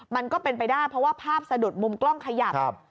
มันก็เป็นไปได้เพราะว่าภาพสะดุดมุมกล้องขยับ